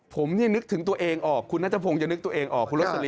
ผมนี่นึกถึงตัวเองออกคุณนัทธพงศ์จะนึกตัวเองออก